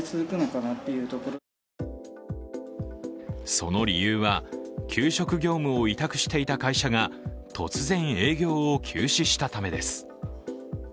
その理由は、給食業務を委託していた会社が突然、営業を休止したためです。